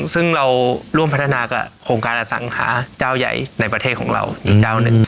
ซึ่งเราร่วมพัฒนากับโครงการอสังหาเจ้าใหญ่ในประเทศของเราอีกเจ้าหนึ่ง